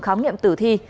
khám nghiệm tử thi